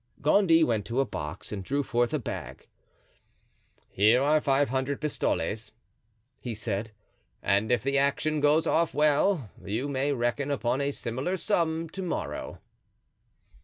Gondy went to a box and drew forth a bag. "Here are five hundred pistoles," he said; "and if the action goes off well you may reckon upon a similar sum to morrow."